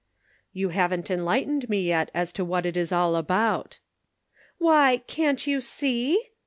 " You haven't enlightened me yet as to what it is all about." " Why, can't you see